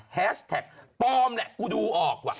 แฮชแท็กปลอมแหละกูดูออกว่ะ